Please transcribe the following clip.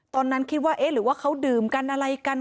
ตอนนั้นคิดว่าเอ๊ะหรือว่าเขาดื่มกันอะไรกัน